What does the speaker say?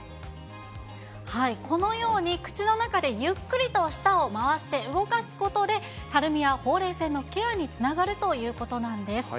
このように口の中でゆっくりと舌を回して動かすことで、たるみやほうれい線のケアにつながるということなんです。